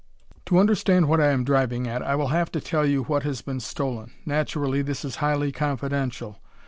"To understand what I am driving at, I will have to tell you what has been stolen. Naturally this is highly confidential.